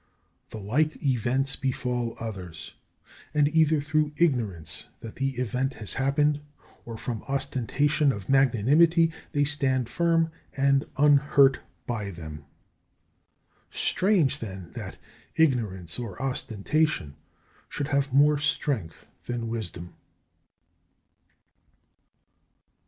The like events befall others, and either through ignorance that the event has happened, or from ostentation of magnanimity, they stand firm and unhurt by them. Strange then that ignorance or ostentation should have more strength than wisdom!